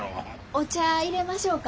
お茶いれましょうか？